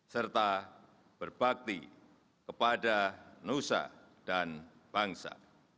serta berbakti kepada nusa dan bangsa